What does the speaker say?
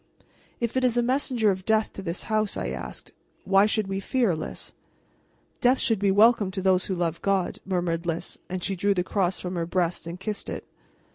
"If it is a messenger of death to this house," I said, "why should we fear, Lys?" "Death should be welcome to those who love God," murmured Lys, and she drew the cross from her breast and kissed it.